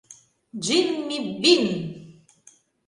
Джимми Бин!